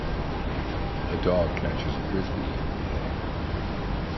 A dog catches a Frisbee in midair.